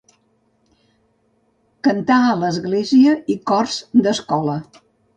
Cantà a l'església i cors d'escola.